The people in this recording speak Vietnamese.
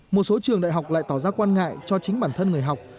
một số trường đại học lại tỏ ra quan ngại cho chính bản thân người học